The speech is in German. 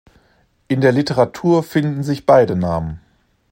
In der Literatur finden sich beide Namen.